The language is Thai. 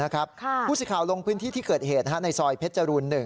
คุณสิทธิ์ข่าวลงพื้นที่ที่เกิดเหตุในซอยเพชรภูมิ๑